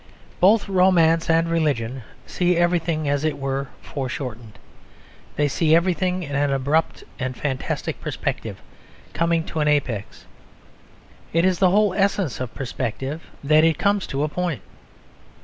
Both romance and religion see everything as it were foreshortened; they see everything in an abrupt and fantastic perspective, coming to an apex. It is the whole essence of perspective that it comes to a point.